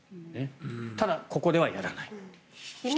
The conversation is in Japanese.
ただ、ここではやらない。